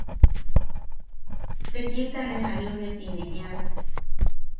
Tekilta ne jariune ti ne ean.